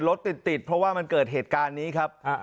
รถติดเพราะว่ามันเกิดเหตุการณ์นี้ครับ